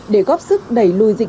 để góp sức đẩy lùi dịch bệnh